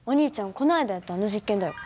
この間やったあの実験だよ。